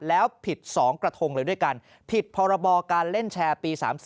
แล้วผิด๒กระทงเลยด้วยกันผิดพรบการเล่นแชร์ปี๓๔